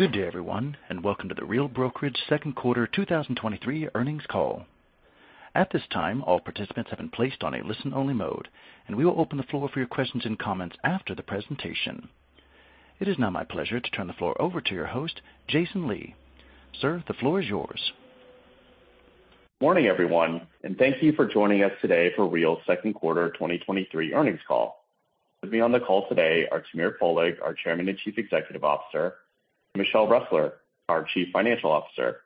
Good day, everyone, and welcome to The Real Brokerage Q2 2023 earnings call. At this time, all participants have been placed on a listen-only mode, and we will open the floor for your questions and comments after the presentation. It is now my pleasure to turn the floor over to your host, Jason Lee. Sir, the floor is yours. Morning, everyone, and thank you for joining us today for Real's Q2 2023 earnings call. With me on the call today are Tamir Poleg, our Chairman and Chief Executive Officer, Michelle Ressler, our Chief Financial Officer.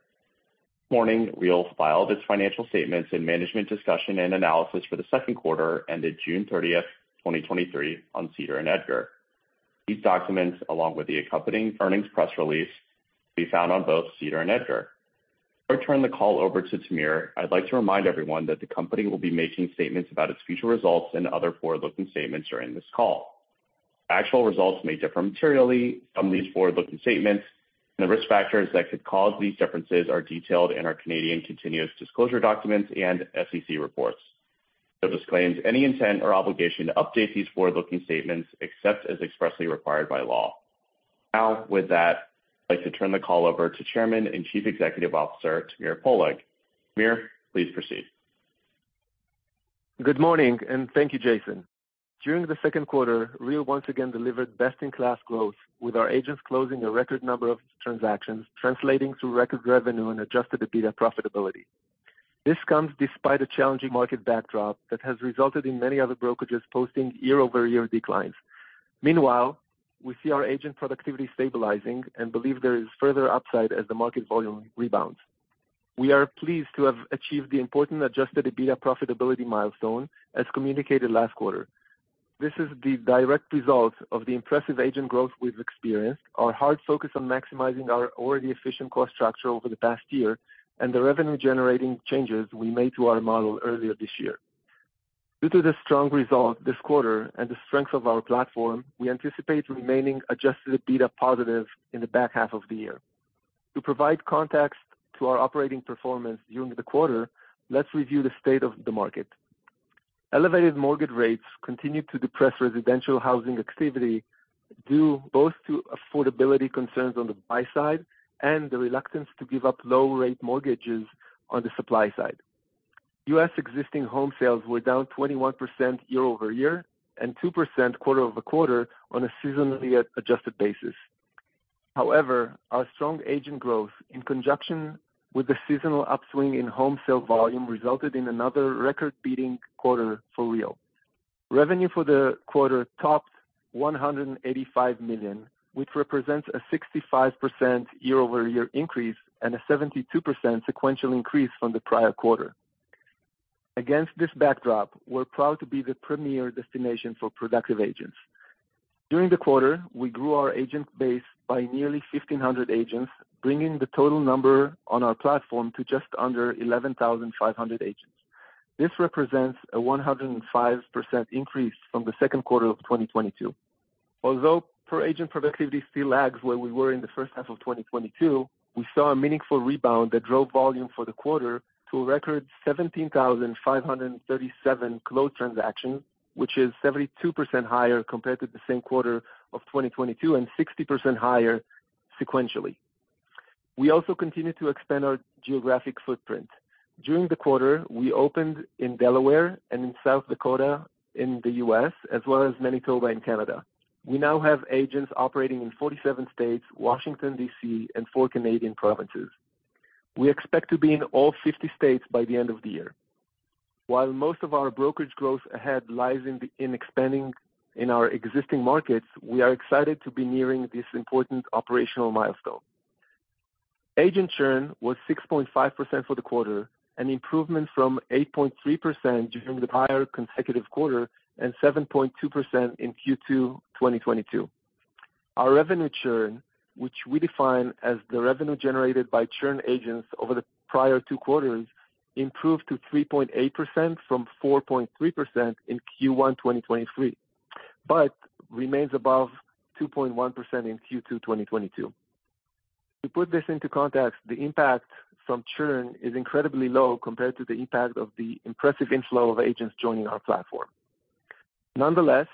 This morning, Real filed its financial statements and management discussion and analysis for the Q2, ended June 30, 2023, on SEDAR and EDGAR. These documents, along with the accompanying earnings press release, can be found on both SEDAR and EDGAR. Before I turn the call over to Tamir, I'd like to remind everyone that the company will be making statements about its future results and other forward-looking statements during this call. Actual results may differ materially from these forward-looking statements, and the risk factors that could cause these differences are detailed in our Canadian continuous disclosure documents and SEC reports. The disclaims any intent or obligation to update these forward-looking statements, except as expressly required by law. Now, with that, I'd like to turn the call over to Chairman and Chief Executive Officer, Tamir Poleg. please proceed. Good morning, and thank you, Jason. During the 2Q, Real once again delivered best-in-class growth, with our agents closing a record number of transactions, translating to record revenue and adjusted EBITDA profitability. This comes despite a challenging market backdrop that has resulted in many other brokerages posting year-over-year declines. Meanwhile, we see our agent productivity stabilizing and believe there is further upside as the market volume rebounds. We are pleased to have achieved the important adjusted EBITDA profitability milestone, as communicated last quarter. This is the direct result of the impressive agent growth we've experienced, our hard focus on maximizing our already efficient cost structure over the past year, and the revenue-generating changes we made to our model earlier this year. Due to the strong result this quarter and the strength of our platform, we anticipate remaining adjusted EBITDA positive in the back half of the year. To provide context to our operating performance during the quarter, let's review the state of the market. Elevated mortgage rates continued to depress residential housing activity, due both to affordability concerns on the buy side and the reluctance to give up low rate mortgages on the supply side. U.S. existing home sales were down 21% year-over-year, and 2% quarter-over-quarter on a seasonally adjusted basis. However, our strong agent growth, in conjunction with the seasonal upswing in home sale volume, resulted in another record-beating quarter for Real. Revenue for the quarter topped $185 million, which represents a 65% year-over-year increase and a 72% sequential increase from the prior quarter. Against this backdrop, we're proud to be the premier destination for productive agents. During the quarter, we grew our agent base by nearly 1,500 agents, bringing the total number on our platform to just under 11,500 agents. This represents a 105% increase from the Q2 of 2022. Although per agent productivity still lags where we were in the first half of 2022, we saw a meaningful rebound that drove volume for the quarter to a record 17,537 closed transactions, which is 72% higher compared to the same quarter of 2022 and 60% higher sequentially. We also continued to expand our geographic footprint. During the quarter, we opened in Delaware and in South Dakota, in the US, as well as Manitoba in Canada. We now have agents operating in 47 states, Washington, D.C., and 4 Canadian provinces. We expect to be in all 50 states by the end of the year. While most of our brokerage growth ahead lies in the, in expanding in our existing markets, we are excited to be nearing this important operational milestone. Agent churn was 6.5% for the quarter, an improvement from 8.3% during the prior consecutive quarter, and 7.2% in Q2, 2022. Our revenue churn, which we define as the revenue generated by churn agents over the prior two quarters, improved to 3.8% from 4.3% in Q1, 2023, but remains above 2.1% in Q2, 2022. To put this into context, the impact from churn is incredibly low compared to the impact of the impressive inflow of agents joining our platform. Nonetheless,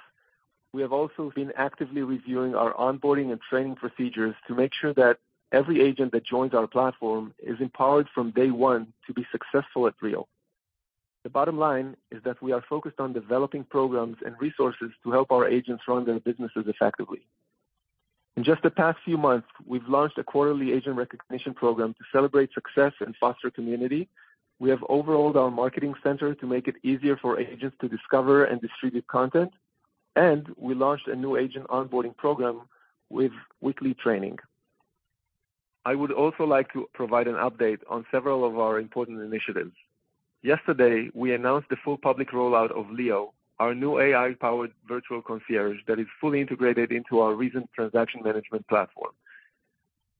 we have also been actively reviewing our onboarding and training procedures to make sure that every agent that joins our platform is empowered from day one to be successful at Real. The bottom line is that we are focused on developing programs and resources to help our agents run their businesses effectively. In just the past few months, we've launched a quarterly agent recognition program to celebrate success and foster community. We have overhauled our marketing center to make it easier for agents to discover and distribute content, and we launched a new agent onboarding program with weekly training. I would also like to provide an update on several of our important initiatives. Yesterday, we announced the full public rollout of Leo, our new AI-powered virtual concierge that is fully integrated into our recent transaction management platform.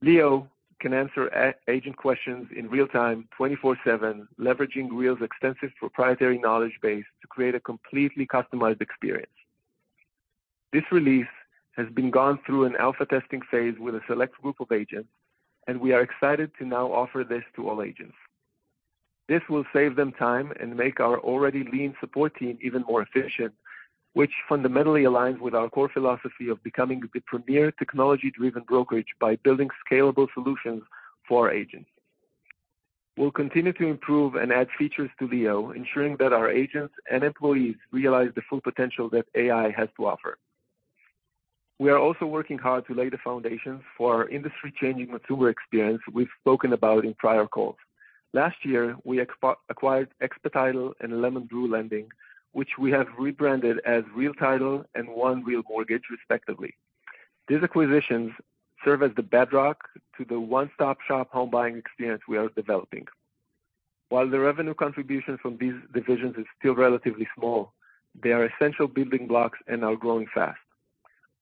Leo can answer agent questions in real time, 24/7, leveraging Real's extensive proprietary knowledge base to create a completely customized experience. This release has been gone through an alpha testing Phase with a select group of agents, and we are excited to now offer this to all agents. This will save them time and make our already lean support team even more efficient, which fundamentally aligns with our core philosophy of becoming the premier technology-driven brokerage by building scalable solutions for our agents. We'll continue to improve and add features to Leo, ensuring that our agents and employees realize the full potential that AI has to offer. We are also working hard to lay the foundation for our industry-changing consumer experience we've spoken about in prior calls. Last year, we acquired Expetitle and LemonBrew Lending, which we have rebranded as Real Title and One Real Mortgage, respectively. These acquisitions serve as the bedrock to the one-stop-shop home buying experience we are developing. While the revenue contribution from these divisions is still relatively small, they are essential building blocks and are growing fast.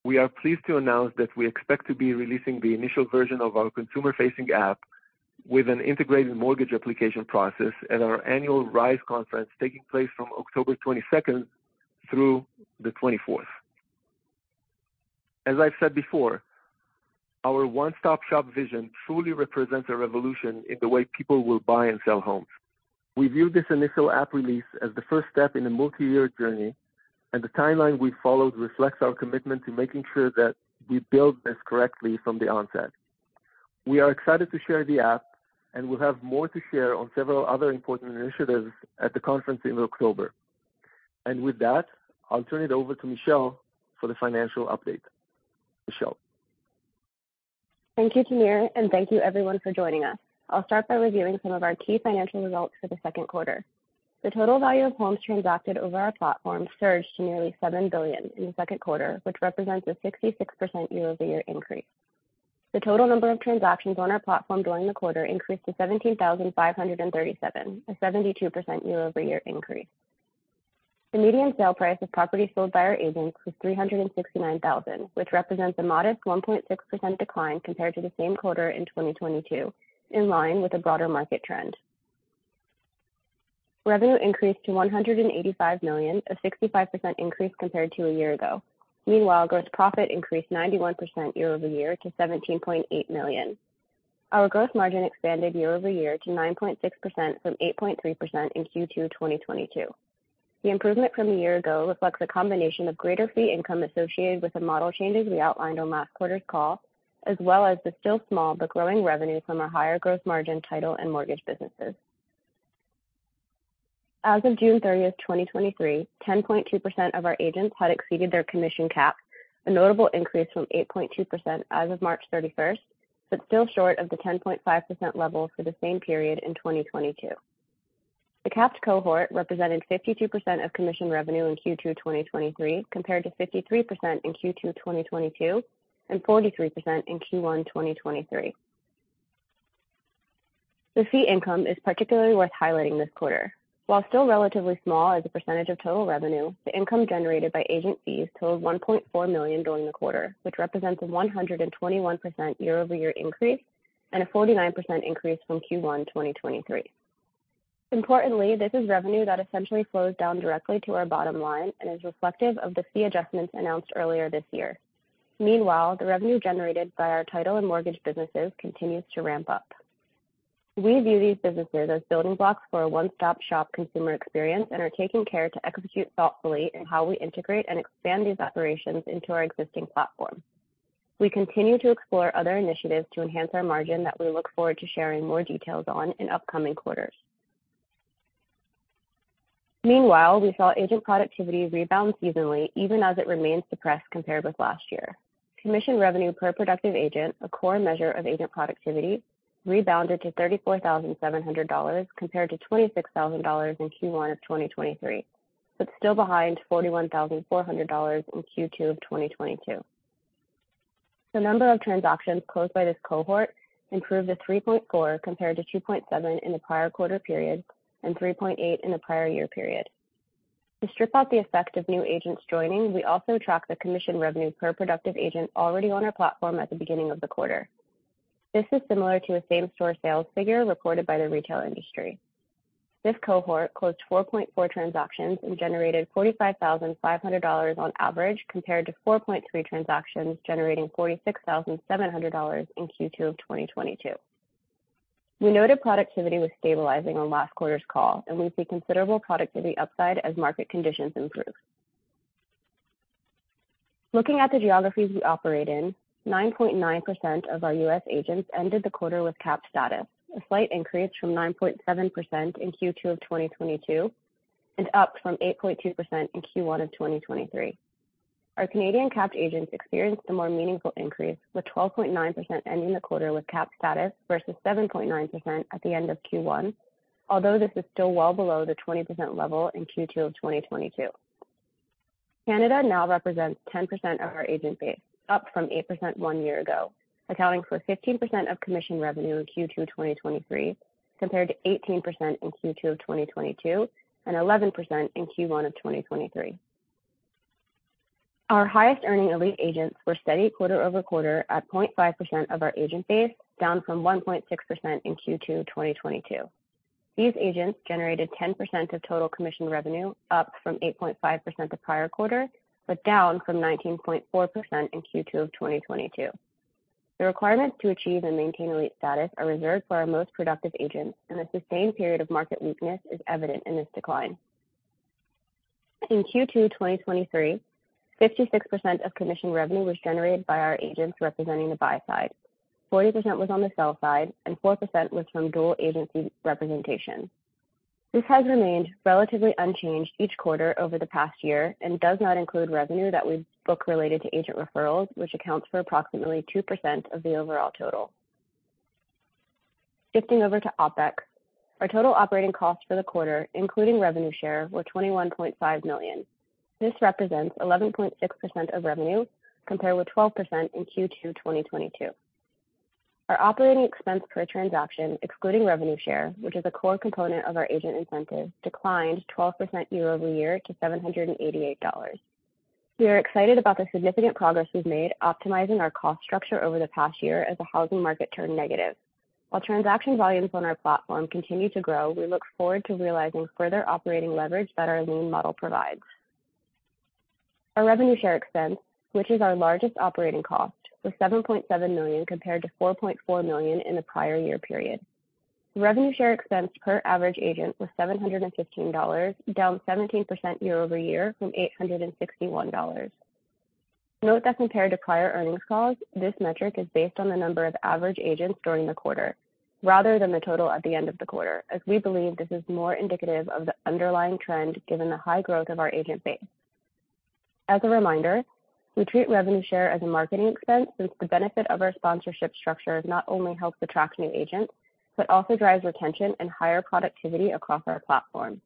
We are pleased to announce that we expect to be releasing the initial version of our consumer-facing app with an integrated mortgage application process at our annual RISE conference, taking place from October 22nd through the 24th. As I've said before, our one-stop-shop vision truly represents a revolution in the way people will buy and sell homes. We view this initial app release as the first step in a multi-year journey, and the timeline we followed reflects our commitment to making sure that we build this correctly from the onset. We are excited to share the app, and we'll have more to share on several other important initiatives at the conference in October. With that, I'll turn it over to Michelle for the financial update. Michelle? Thank you, Tamir, thank you, everyone, for joining us. I'll start by reviewing some of our key financial results for the Q2. The total value of homes transacted over our platform surged to nearly $7 billion in the Q2, which represents a 66% year-over-year increase. The total number of transactions on our platform during the quarter increased to 17,537, a 72% year-over-year increase. The median sale price of properties sold by our agents was $369,000, which represents a modest 1.6% decline compared to the same quarter in 2022, in line with the broader market trend. Revenue increased to $185 million, a 65% increase compared to a year ago. Meanwhile, gross profit increased 91% year-over-year to $17.8 million. Our growth margin expanded year-over-year to 9.6% from 8.3% in Q2, 2022. The improvement from a year ago reflects a combination of greater fee income associated with the model changes we outlined on last quarter's call, as well as the still small but growing revenue from our higher growth margin title and mortgage businesses. As of June 30th, 2023, 10.2% of our agents had exceeded their commission cap, a notable increase from 8.2% as of March 31st, but still short of the 10.5% level for the same period in 2022. The capped cohort represented 52% of commission revenue in Q2, 2023, compared to 53% in Q2, 2022, and 43% in Q1, 2023. The fee income is particularly worth highlighting this quarter. While still relatively small as a percentage of total revenue, the income generated by agent fees totaled $1.4 million during the quarter, which represents a 121% year-over-year increase and a 49% increase from Q1 2023. Importantly, this is revenue that essentially flows down directly to our bottom line and is reflective of the fee adjustments announced earlier this year. Meanwhile, the revenue generated by our title and mortgage businesses continues to ramp up. We view these businesses as building blocks for a one-stop-shop consumer experience and are taking care to execute thoughtfully in how we integrate and expand these operations into our existing platform. We continue to explore other initiatives to enhance our margin that we look forward to sharing more details on in upcoming quarters. Meanwhile, we saw agent productivity rebound seasonally, even as it remains suppressed compared with last year. Commission revenue per productive agent, a core measure of agent productivity, rebounded to $34,700, compared to $26,000 in Q1 of 2023, still behind $41,400 in Q2 of 2022. The number of transactions closed by this cohort improved to 3.4, compared to 2.7 in the prior quarter period and 3.8 in the prior year period. To strip out the effect of new agents joining, we also track the commission revenue per productive agent already on our platform at the beginning of the quarter. This is similar to a same-store sales figure reported by the retail industry. This cohort closed 4.4 transactions and generated $45,500 on average, compared to 4.3 transactions, generating $46,700 in Q2 of 2022. We noted productivity was stabilizing on last quarter's call, and we see considerable productivity upside as market conditions improve. Looking at the geographies we operate in, 9.9% of our US agents ended the quarter with capped status, a slight increase from 9.7% in Q2 of 2022, and up from 8.2% in Q1 of 2023. Our Canadian capped agents experienced a more meaningful increase, with 12.9% ending the quarter with capped status versus 7.9% at the end of Q1, although this is still well below the 20% level in Q2 of 2022. Canada now represents 10% of our agent base, up from 8% 1 year ago, accounting for 15% of commission revenue in Q2 2023, compared to 18% in Q2 2022 and 11% in Q1 2023. Our highest-earning elite agents were steady quarter-over-quarter at 0.5% of our agent base, down from 1.6% in Q2 2022. These agents generated 10% of total commission revenue, up from 8.5% the prior quarter, but down from 19.4% in Q2 2022. The requirements to achieve and maintain elite status are reserved for our most productive agents. A sustained period of market weakness is evident in this decline. In Q2 2023, 56% of commission revenue was generated by our agents representing the buy side, 40% was on the sell side, and 4% was from dual agency representation. This has remained relatively unchanged each quarter over the past year and does not include revenue that we book related to agent referrals, which accounts for approximately 2% of the overall total. Shifting over to OpEx, our total operating costs for the quarter, including revenue share, were $21.5 million. This represents 11.6% of revenue, compared with 12% in Q2 2022. Our operating expense per transaction, excluding revenue share, which is a core component of our agent incentive, declined 12% year-over-year to $788. We are excited about the significant progress we've made optimizing our cost structure over the past year as the housing market turned negative. While transaction volumes on our platform continue to grow, we look forward to realizing further operating leverage that our lean model provides. Our revenue share expense, which is our largest operating cost, was $7.7 million, compared to $4.4 million in the prior year period. Revenue share expense per average agent was $715, down 17% year-over-year from $861. Note that compared to prior earnings calls, this metric is based on the number of average agents during the quarter rather than the total at the end of the quarter, as we believe this is more indicative of the underlying trend, given the high growth of our agent base. As a reminder, we treat revenue share as a marketing expense, since the benefit of our sponsorship structure not only helps attract new agents, but also drives retention and higher productivity across our platform.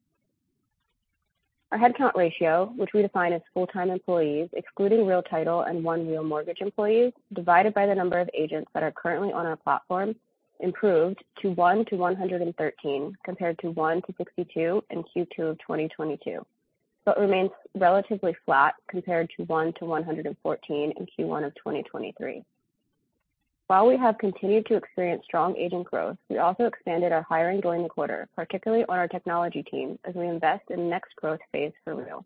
Our headcount ratio, which we define as full-time employees, excluding Real Title and One Real Mortgage employees, divided by the number of agents that are currently on our platform, improved to 1 to 113, compared to 1 to 62 in Q2 of 2022, remains relatively flat compared to 1 to 114 in Q1 of 2023. While we have continued to experience strong agent growth, we also expanded our hiring during the quarter, particularly on our technology team, as we invest in the next growth Phase for Real.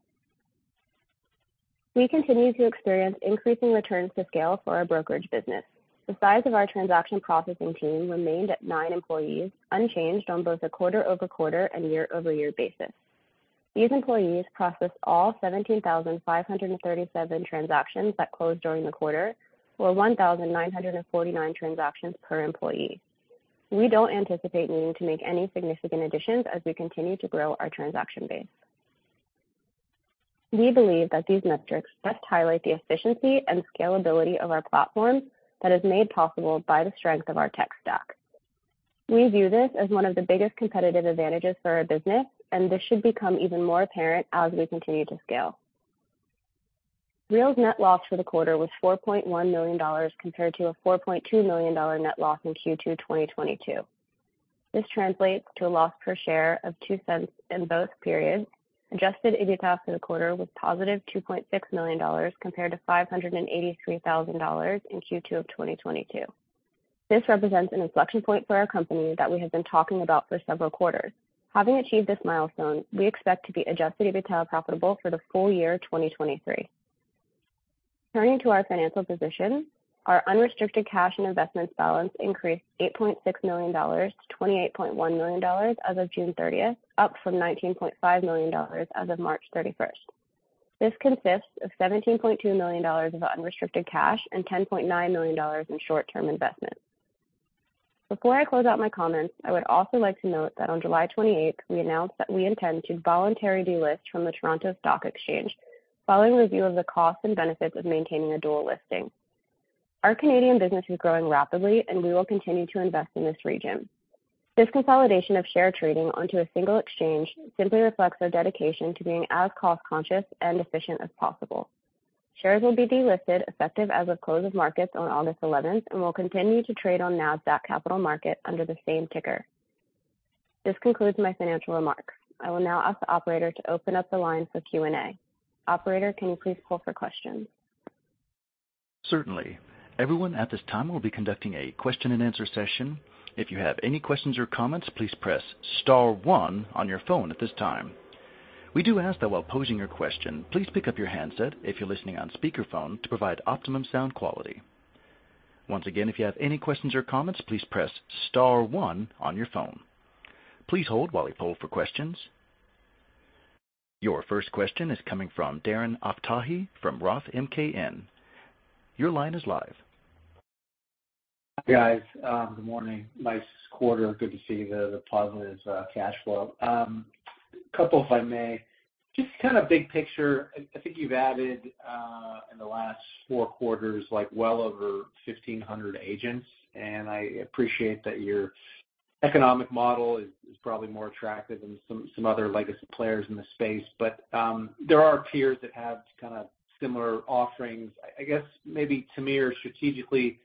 We continue to experience increasing returns to scale for our brokerage business. The size of our transaction processing team remained at 9 employees, unchanged on both a quarter-over-quarter and year-over-year basis. These employees processed all 17,537 transactions that closed during the quarter, or 1,949 transactions per employee. We don't anticipate needing to make any significant additions as we continue to grow our transaction base. We believe that these metrics best highlight the efficiency and scalability of our platform that is made possible by the strength of our tech stack. We view this as one of the biggest competitive advantages for our business, and this should become even more apparent as we continue to scale. Real's net loss for the quarter was $4.1 million, compared to a $4.2 million net loss in Q2 2022. This translates to a loss per share of $0.02 in both periods. Adjusted EBITDA for the quarter was positive $2.6 million, compared to $583,000 in Q2 of 2022. This represents an inflection point for our company that we have been talking about for several quarters. Having achieved this milestone, we expect to be adjusted EBITDA profitable for the full year 2023. Turning to our financial position, our unrestricted cash and investments balance increased $8.6 million to $28.1 million as of June 30th, up from $19.5 million as of March 31st. This consists of $17.2 million of unrestricted cash and $10.9 million in short-term investments. Before I close out my comments, I would also like to note that on July 28th, we announced that we intend to voluntarily delist from the Toronto Stock Exchange following review of the costs and benefits of maintaining a dual listing. Our Canadian business is growing rapidly, and we will continue to invest in this region. This consolidation of share trading onto a single exchange simply reflects our dedication to being as cost-conscious and efficient as possible. Shares will be delisted effective as of close of markets on August 11th and will continue to trade on Nasdaq Capital Market under the same ticker. This concludes my financial remarks. I will now ask the operator to open up the line for Q&A. Operator, can you please poll for questions? Certainly. Everyone at this time, we'll be conducting a question-and-answer session. If you have any questions or comments, please press star one on your phone at this time. We do ask that while posing your question, please pick up your handset if you're listening on speakerphone, to provide optimum sound quality. Once again, if you have any questions or comments, please press star one on your phone. Please hold while we poll for questions. Your first question is coming from Darren Aftahi from Roth MKM. Your line is live. Hi, guys, good morning. Nice quarter. Good to see the, the positive, cash flow. A couple, if I may. Just kind of big picture, I, I think you've added, in the last Q4, l well over 1,500 agents, and I appreciate that your economic model is, is probably more attractive than some, some other legacy players in the space. There are peers that have kind of similar offerings. I guess maybe to me or strategically,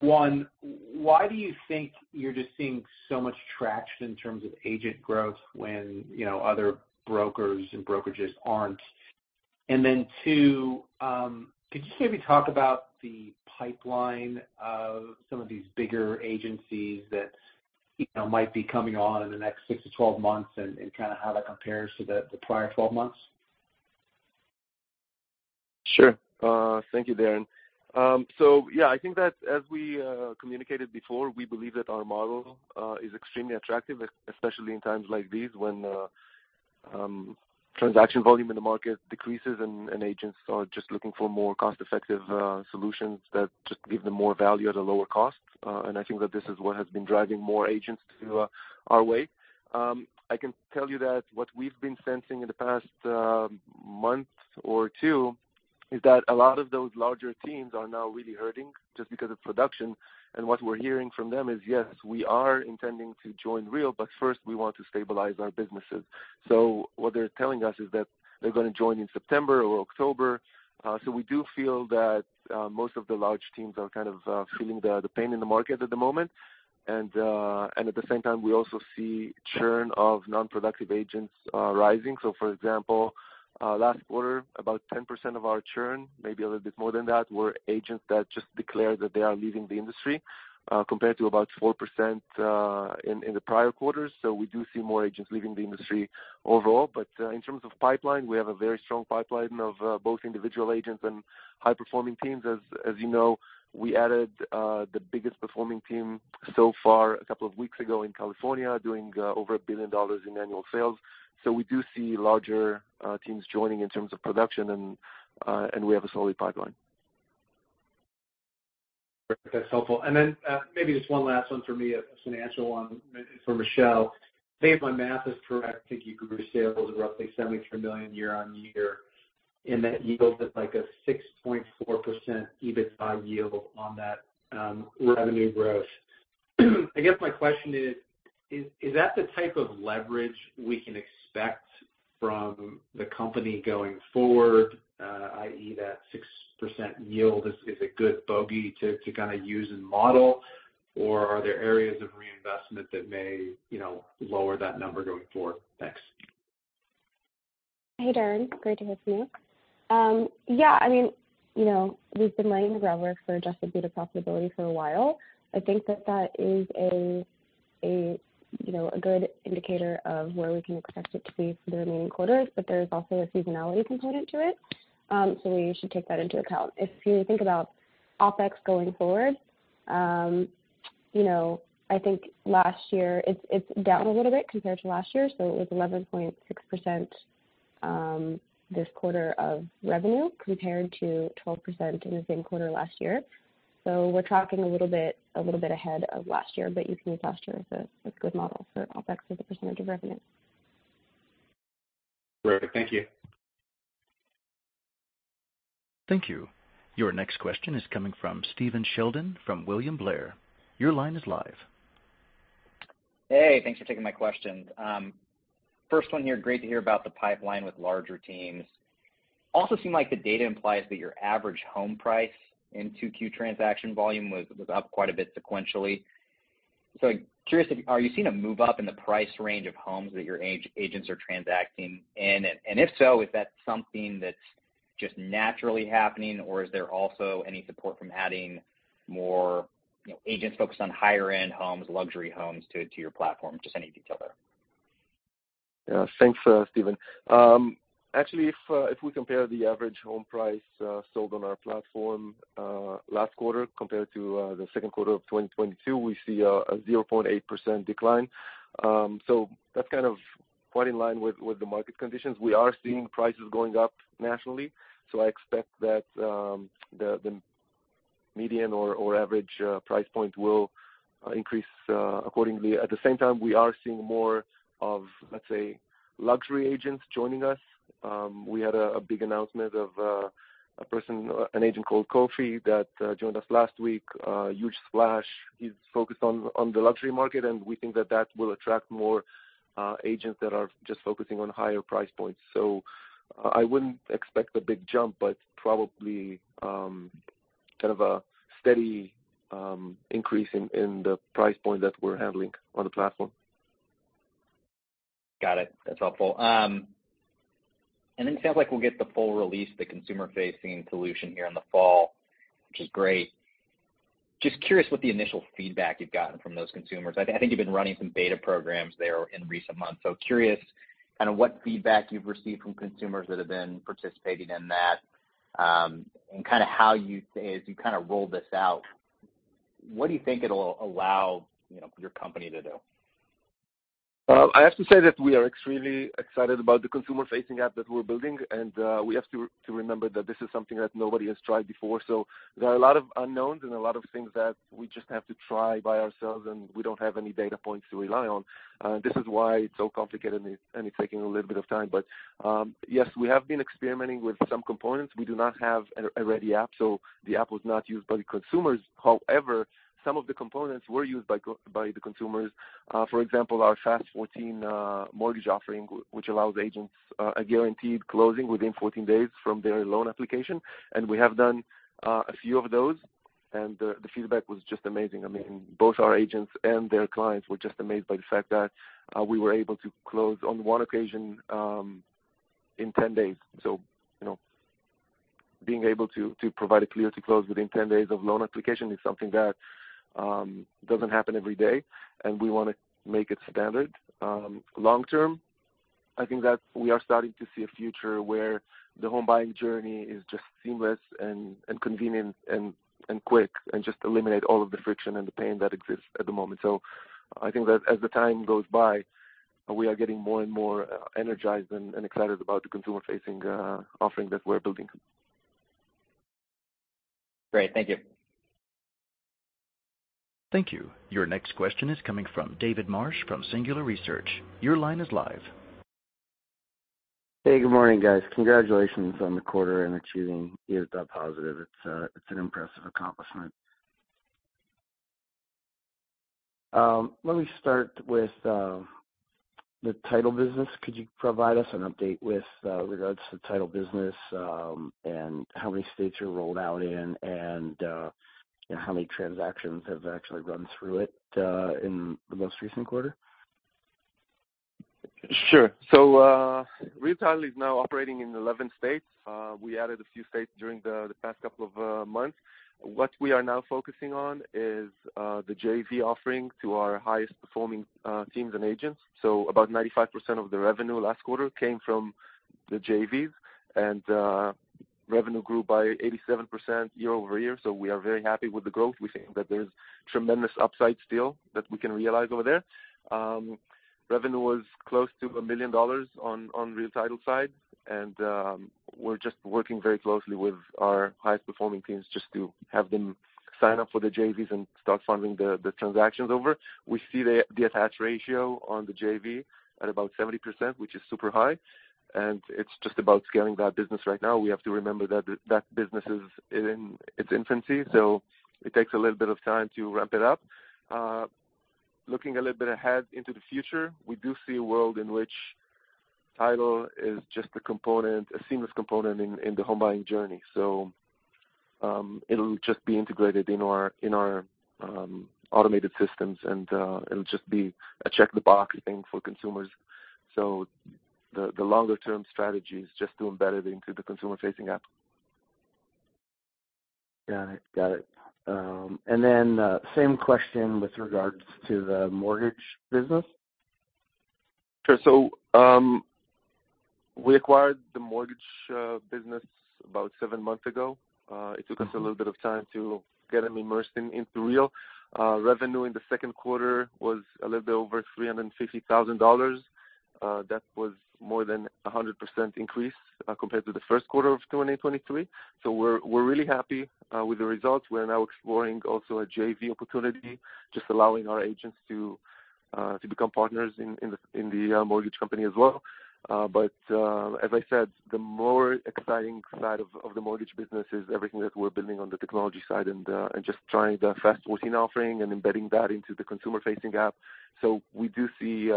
one, why do you think you're just seeing so much traction in terms of agent growth when, you know, other brokers and brokerages aren't? Then 2, could you maybe talk about the pipeline of some of these bigger agencies that, you know, might be coming on in the next 6-12 months and, and kind of how that compares to the, the prior 12 months? Sure. Thank you, Darren. that as we communicated before, we believe that our model is extremely attractive, especially in times like these, when transaction volume in the market decreases, and agents are just looking for more cost-effective solutions that just give them more value at a lower cost. I think that this is what has been driving more agents to our way. I can tell you that what we've been sensing in the past month or two, is that a lot of those larger teams are now really hurting just because of production. What we're hearing from them is, "Yes, we are intending to join Real, but first we want to stabilize our businesses." What they're telling us is that they're gonna join in September or October. We do feel that most of the large teams are kind of feeling the pain in the market at the moment. At the same time, we also see churn of non-productive agents rising. For example, last quarter, about 10% of our churn, maybe a little bit more than that, were agents that just declared that they are leaving the industry, compared to about 4% in the prior quarters. We do see more agents leaving the industry overall. In terms of pipeline, we have a very strong pipeline of both individual agents and high-performing teams. As, as you know, we added the biggest performing team so far a couple of weeks ago in California, doing over $1 billion in annual sales. We do see larger teams joining in terms of production, and, and we have a solid pipeline. That's helpful. Maybe just one last one for me, a financial one for Michelle. I think if my math is correct, I think you grew sales roughly $73 million year-on-year, and that equals to, like, a 6.4% EBITDA yield on that revenue growth. I guess my question is, is that the type of leverage we can expect from the company going forward? i.e., that 6% yield is a good bogey to kind of use and model, or are there areas of reinvestment that may, you know, lower that number going forward? Thanks. Hey, Darren, great to hear from you. We've been laying the groundwork for adjusted EBITDA profitability for a while. I think that that is a, a, you know, a good indicator of where we can expect it to be for the remaining quarters, but there's also a seasonality component to it. We should take that into account. If you think about OpEx going forward, you know, I think last year it's, it's down a little bit compared to last year, so it was 11.6% this quarter of revenue, compared to 12% in the same quarter last year. We're tracking a little bit, a little bit ahead of last year, but you can use last year as a good model for OpEx as a percentage of revenue. Great. Thank you. Thank you. Your next question is coming from Stephen Sheldon from William Blair. Your line is live. Hey, thanks for taking my questions. First one here. Great to hear about the pipeline with larger teams. Also seemed like the data implies that your average home price in 2Q transaction volume was, was up quite a bit sequentially. Curious, if are you seeing a move up in the price range of homes that your agents are transacting in? If so, is that something that's just naturally happening, or is there also any support from adding more, you know, agents focused on higher-end homes, luxury homes, to your platform? Just any detail there. Thanks, Stephen. Actually, if we compare the average home price sold on our platform last quarter compared to the Q2 of 2022, we see a 0.8% decline. That's kind of quite in line with, with the market conditions. We are seeing prices going up nationally, so I expect that the median or average price point will increase accordingly. At the same time, we are seeing more of, let's say, luxury agents joining us. We had a big announcement of a person, an agent called Kofi that joined us last week, a huge splash. He's focused on, on the luxury market, and we think that that will attract more agents that are just focusing on higher price points. I wouldn't expect a big jump, but probably, kind of a steady, increase in, in the price point that we're handling on the platform. Got it. That's helpful. Then it sounds like we'll get the full release, the consumer-facing solution here in the fall, which is great. Just curious what the initial feedback you've gotten from those consumers? I, I think you've been running some beta programs there in recent months. Curious, kind of what feedback you've received from consumers that have been participating in that, and kind of how you say, as you kind of roll this out, what do you think it'll allow, you know, your company to do? I have to say that we are extremely excited about the consumer-facing app that we're building, and we have to, to remember that this is something that nobody has tried before. There are a lot of unknowns and a lot of things that we just have to try by ourselves, and we don't have any data points to rely on. This is why it's so complicated and it's, and it's taking a little bit of time. Yes, we have been experimenting with some components. We do not have a, a ready app, so the app was not used by the consumers. However, some of the components were used by the consumers. For example, our Fast 14 mortgage offering, which allows agents a guaranteed closing within 14 days from their loan application, and we have done a few of those, and the, the feedback was just amazing. I mean, both our agents and their clients were just amazed by the fact that, we were able to close on one occasion, in 10 days. You know, being able to, to provide a clear-to-close within 10 days of loan application is something that doesn't happen every day, and we want to make it standard. Long term, I think that we are starting to see a future where the home buying journey is just seamless and convenient and quick, and just eliminate all of the friction and the pain that exists at the moment. I think that as the time goes by, we are getting more and more energized and, and excited about the consumer-facing offering that we're building. Great. Thank you. Thank you. Your next question is coming from David Marsh, from Singular Research. Your line is live. Hey, good morning, guys. Congratulations on the quarter and achieving EBITDA positive. It's a, it's an impressive accomplishment. Let me start with the title business. Could you provide us an update with regards to the title business, and how many states you're rolled out in? How many transactions have actually run through it in the most recent quarter? Sure. Real Title is now operating in 11 states. We added a few states during the past couple of months. What we are now focusing on is the JV offering to our highest-performing teams and agents. About 95% of the revenue last quarter came from the JVs, and revenue grew by 87% year-over-year. We are very happy with the growth. We think that there's tremendous upside still that we can realize over there. Revenue was close to $1 million on Real Title side, and we're just working very closely with our highest-performing teams just to have them sign up for the JVs and start funding the transactions over. We see the, the attach ratio on the JV at about 70%, which is super high, and it's just about scaling that business right now. We have to remember that that business is in its infancy, so it takes a little bit of time to ramp it up. Looking a little bit ahead into the future, we do see a world in which title is just a component, a seamless component in, in the home buying journey. It'll just be integrated in our, in our automated systems, and it'll just be a check-the-box thing for consumers. The, the longer-term strategy is just to embed it into the consumer-facing app. Got it, same question with regards to the mortgage business. Sure. We acquired the mortgage business about seven months ago. It took us a little bit of time to get them immersed in, into Real. Revenue in the Q2 was a little bit over $350,000. That was more than a 100% increase compared to the Q1 of 2023. We're really happy with the results. We're now exploring also a JV opportunity, just allowing our agents to become partners in, in the, in the mortgage company as well. As I said, the more exciting side of the mortgage business is everything that we're building on the technology side, and just trying the fast closing offering and embedding that into the consumer-facing app. We do see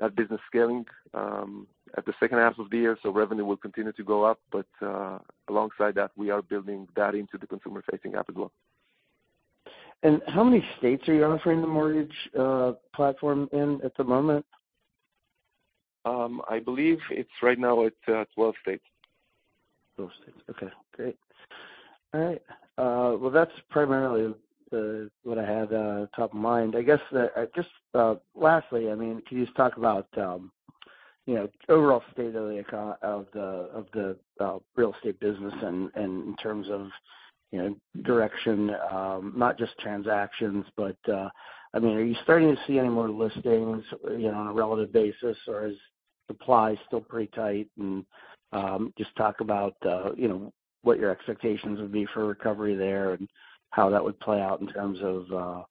that business scaling at the second half of the year, so revenue will continue to go up, but alongside that, we are building that into the consumer-facing app as well. How many states are you offering the mortgage, platform in at the moment? I believe it's right now, it's, 12 states. 12 states. Okay, great. All right. Well, that's primarily what I had top of mind. I guess, just, lastly, I mean, can you just talk about, you know, overall state of the eco- of the, of the, real estate business and, and in terms of, you know, direction, not just transactions, but, I mean, are you starting to see any more listings, you know, on a relative basis, or is supply still pretty tight? Just talk about, you know, what your expectations would be for recovery there and how that would play out in terms of,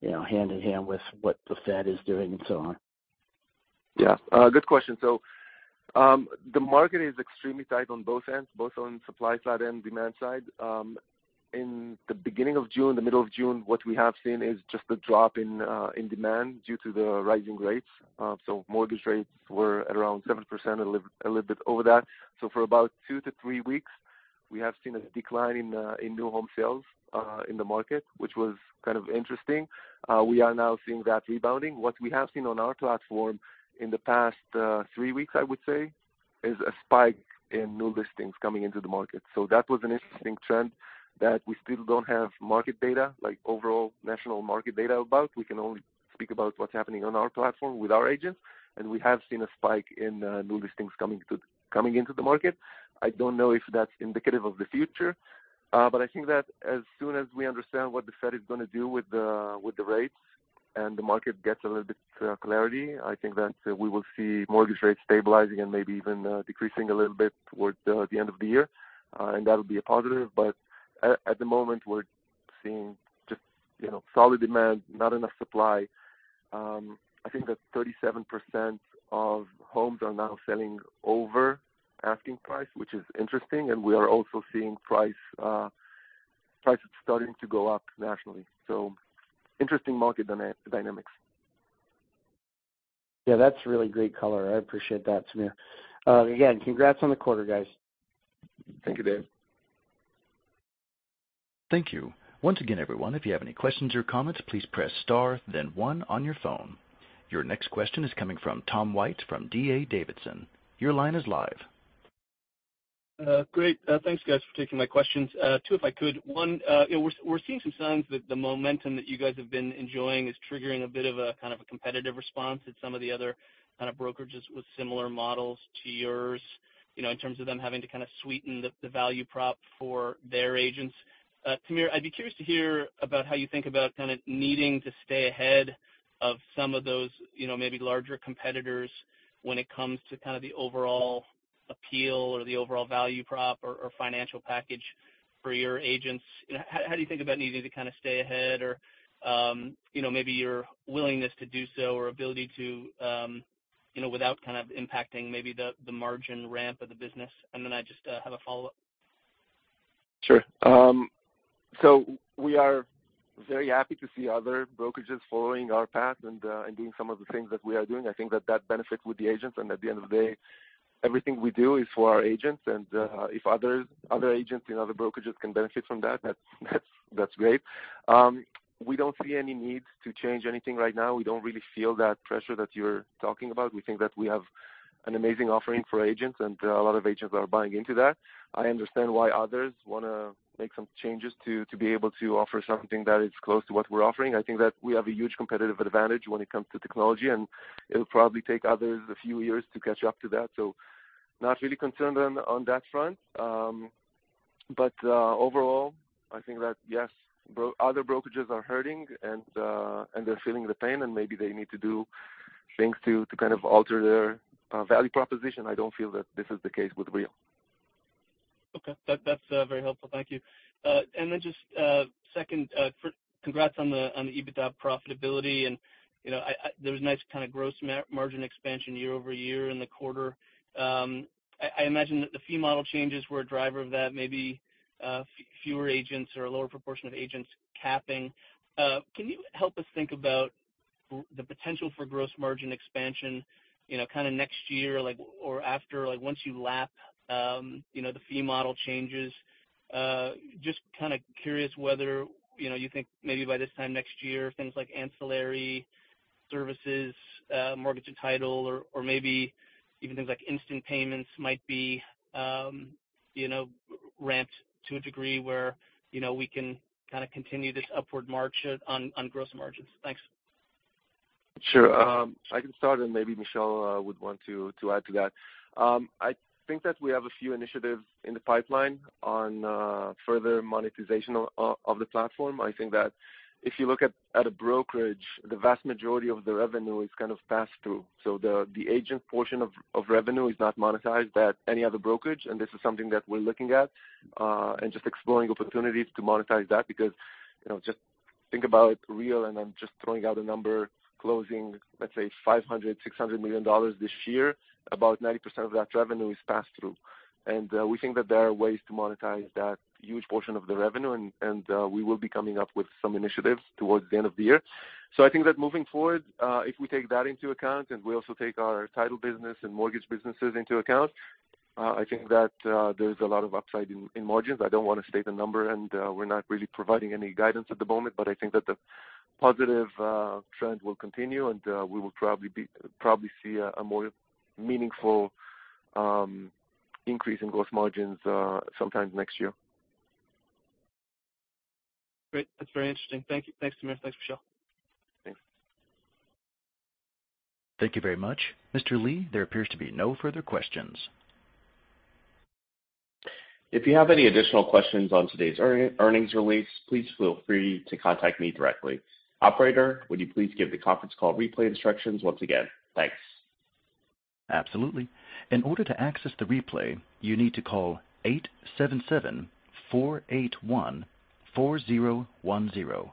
you know, hand in hand with what the Fed is doing and so on. Good question. The market is extremely tight on both ends, both on supply side and demand side. In the beginning of June, the middle of June, what we have seen is just a drop in demand due to the rising rates. Mortgage rates were at around 7%, a lit- a little bit over that. For about 2 to 3 weeks, we have seen a decline in new home sales in the market, which was kind of interesting. We are now seeing that rebounding. What we have seen on our platform in the past 3 weeks, I would say, is a spike in new listings coming into the market. That was an interesting trend that we still don't have market data, like overall national market data, about. We can only speak about what's happening on our platform with our agents, we have seen a spike in new listings coming into the market. I don't know if that's indicative of the future, I think that as soon as we understand what the Fed is going to do with the rates and the market gets a little bit clarity, I think that we will see mortgage rates stabilizing and maybe even decreasing a little bit towards the end of the year. That'll be a positive. At the moment, we're seeing just, you know, solid demand, not enough supply. I think that 37% of homes are now selling over asking price, which is interesting, we are also seeing price prices starting to go up nationally. Interesting market dynamics. That's really great color. I appreciate that, Tamir. Again, congrats on the quarter, guys. Thank you, David. Thank you. Once again, everyone, if you have any questions or comments, please press star then one on your phone. Your next question is coming from Tom White from D.A. Davidson. Your line is live. Great. Thanks, guys, for taking my questions. two, if I could. first, we're seeing some signs that the momentum that you guys have been enjoying is triggering a bit of a kind of a competitive response at some of the other kind of brokerages with similar models to yours, you know, in terms of them having to kind of sweeten the, the value prop for their agents. Tamir, I'd be curious to hear about how you think about kind of needing to stay ahead of some of those, you know, maybe larger competitors when it comes to kind of the overall appeal or the overall value prop or, or financial package for your agents. How, do you think about needing to kind of stay ahead or, you know, maybe your willingness to do so or ability to, you know, without kind of impacting maybe the, the margin ramp of the business? And then I just have a follow-up. Sure. We are very happy to see other brokerages following our path and doing some of the things that we are doing. I think that that benefits with the agents, and at the end of the day, everything we do is for our agents. If others, other agents in other brokerages can benefit from that, that's, that's, that's great. We don't see any need to change anything right now. We don't really feel that pressure that you're talking about. We think that we have an amazing offering for agents, and a lot of agents are buying into that. I understand why others wanna make some changes to, to be able to offer something that is close to what we're offering. I think that we have a huge competitive advantage when it comes to technology, and it'll probably take others a few years to catch up to that. Not really concerned on, on that front. Overall, I think that, yes, other brokerages are hurting and they're feeling the pain, and maybe they need to do things to, to kind of alter their value proposition. I don't feel that this is the case with Real. Okay. that's very helpful. Thank you. Then just second, for congrats on the EBITDA profitability. There was nice kind of gross margin expansion year-over-year in the quarter. I imagine that the fee model changes were a driver of that, maybe fewer agents or a lower proportion of agents capping. Can you help us think about the potential for gross margin expansion, you know, kind of next year, like, or after, like, once you lap, you know, the fee model changes? Just kind of curious whether you think maybe by this time next year, things like ancillary services, mortgage and title or, or maybe even things like instant payments might be, you know, ramped to a degree where, you know, we can kind of continue this upward march on, on gross margins. Thanks. Sure. I can start and maybe Michelle would want to add to that. I think that we have a few initiatives in the pipeline on further monetization of the platform. I think that if you look at, at a brokerage, the vast majority of the revenue is kind of passed through. The, the agent portion of revenue is not monetized at any other brokerage, and this is something that we're looking at and just exploring opportunities to monetize that because, you know, just think about Real, and I'm just throwing out a number, closing, let's say, $500 million-$600 million this year. About 90% of that revenue is passed through. We think that there are ways to monetize that huge portion of the revenue, and we will be coming up with some initiatives towards the end of the year. I think that moving forward, if we take that into account, and we also take our title business and mortgage businesses into account, I think that there's a lot of upside in margins. I don't want to state a number, and we're not really providing any guidance at the moment, but I think that the positive trend will continue, and we will probably probably see a more meaningful increase in gross margins sometime next year. Great. That's very interesting. Thank you. Thanks, Tamir. Thanks, Michelle. Thanks. Thank you very much. Mr. Lee, there appears to be no further questions. If you have any additional questions on today's earnings release, please feel free to contact me directly. Operator, would you please give the conference call replay instructions once again? Thanks. Absolutely. In order to access the replay, you need to call 877-481-4010,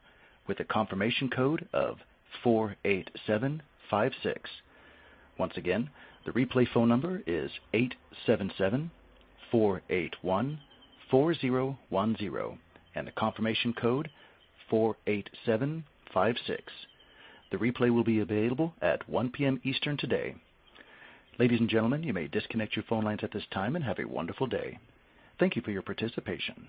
with a confirmation code of 48756. Once again, the replay phone number is 877-481-4010, and the confirmation code, 48756. The replay will be available at 1:00 P.M. Eastern today. Ladies and gentlemen, you may disconnect your phone lines at this time and have a wonderful day. Thank you for your participation.